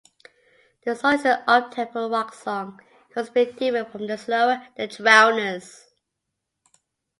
The song is an up-tempo rock song; considerably different from the slower "The Drowners".